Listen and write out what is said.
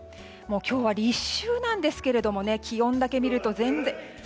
今日は立秋なんですけど気温だけ見ると全然。